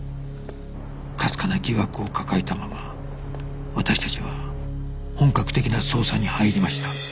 かすかな疑惑を抱えたまま私たちは本格的な捜査に入りました